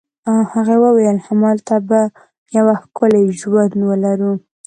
هغې وویل: همالته به یو ښکلی ژوند ولرو.